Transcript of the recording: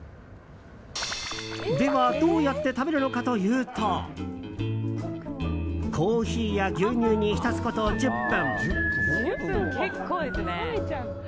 では、どうやって食べるのかというとコーヒーや牛乳に浸すこと１０分。